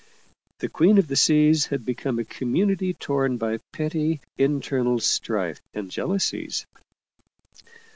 The Queen of the Seas had become a community torn by petty internal strife and jealousies.